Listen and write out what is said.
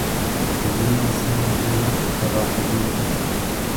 په ځینو سیمو کې مخ په پراخېدو و